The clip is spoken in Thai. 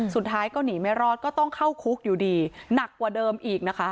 สุดท้ายก็หนีไม่รอดก็ต้องเข้าคุกอยู่ดีหนักกว่าเดิมอีกนะคะ